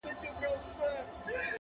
o حافظه يې ژوندۍ ساتي تل,